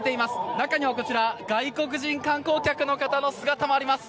中にはこちら外国人観光客の方の姿もあります。